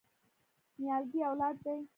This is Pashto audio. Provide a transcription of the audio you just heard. نیالګی اولاد دی؟